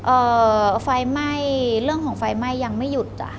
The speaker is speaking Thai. เอ่อไฟไหม้เรื่องของไฟไหม้ยังไม่หยุดจ้ะ